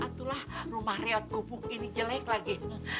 atulah rumah riad gubuk ini jelek lagi